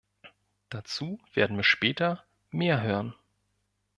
Dazu werden wir später mehr hören.